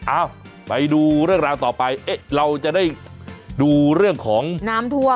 เอ้าไปดูเรื่องราวต่อไปเอ๊ะเราจะได้ดูเรื่องของน้ำท่วม